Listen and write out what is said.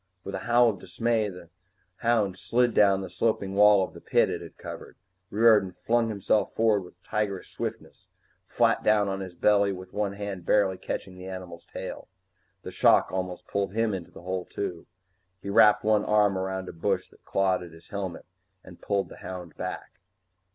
With a howl of dismay, the hound slid down the sloping wall of the pit it had covered. Riordan flung himself forward with tigerish swiftness, flat down on his belly with one hand barely catching the animal's tail. The shock almost pulled him into the hole too. He wrapped one arm around a bush that clawed at his helmet and pulled the hound back.